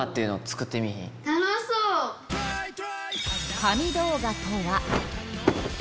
神動画とは。